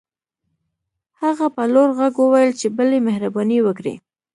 هغه په لوړ غږ وويل چې بلې مهرباني وکړئ.